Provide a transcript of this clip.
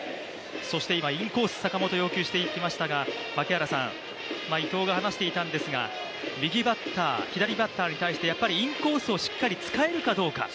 そして今インコース坂本が要求していきましたが伊藤が話していたんですが、右バッター左バッターに対してやっぱりインコースを使えるかどうか。